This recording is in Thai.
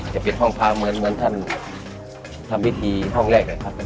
จะเป็นห้องพ้างเหมือนท่านทำวิธีห้องแรก